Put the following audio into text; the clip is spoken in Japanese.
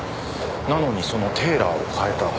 なのにそのテーラーを変えた。